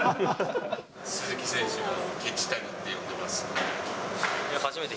鈴木選手がケチ谷って呼んでますって。